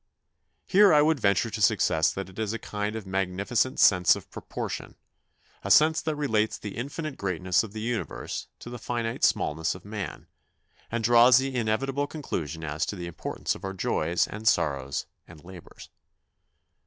Here I would venture to suggest that it is a kind of magnificent sense of proportion, a sense that relates the infinite greatness of the universe to the finite smallness of man, and draws the inevitable conclusion as to the importance of our joys and sorrows and labours.